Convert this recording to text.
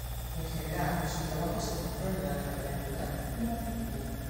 En general, su trabajo se centró en el álgebra lineal y matricial.